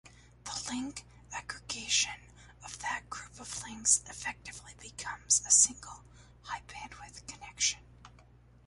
The link aggregation of that group of links effectively becomes a single high-bandwidth connection.